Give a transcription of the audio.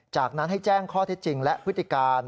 จากนั้นให้แจ้งข้อเท็จจริงและพฤติการ